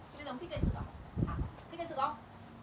cái giống thích cây sửa không